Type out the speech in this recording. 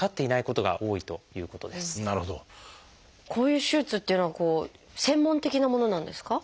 こういう手術っていうのは専門的なものなんですか？